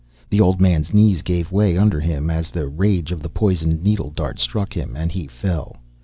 The old man's knees gave way under him as the rage of the poisoned needle dart struck him, and he fell.